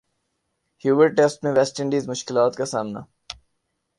Hobart test میں West Indies مشکلات کا شکار